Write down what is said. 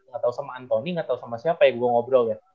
gak tau sama anthony gak tau sama siapa ya gue ngobrol ya